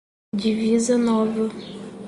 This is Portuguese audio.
Divisa Nova